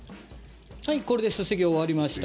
はい、これですすぎ、終わりました。